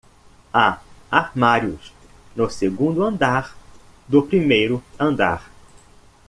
Há armários no segundo andar do primeiro andar.